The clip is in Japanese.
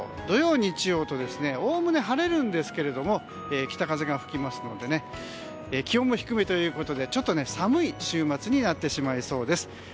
土曜日曜とおおむね晴れるんですが北風が吹きますので気温が低めということでちょっと寒い週末になってしまいそうです。